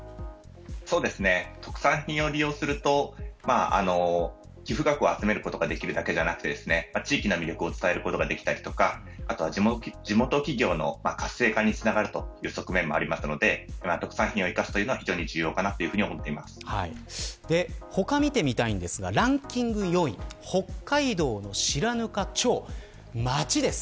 特産品を利用すると寄付額を集めることができるだけではなくて地域の魅力を伝えられたり地元企業の活性化につながるという側面もあるので特産品を生かすというのは他を見てみたいんですがランキング４位北海道の白糠町です。